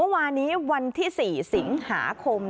วานี้วันที่๔สิงหาคม